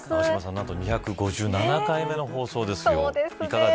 永島さん２５７回目の放送ですよ。